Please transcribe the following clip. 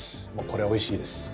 これはおいしいです。